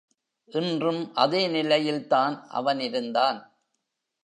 இன்றும் அதே நிலையில்தான் அவன் இருந்தான்.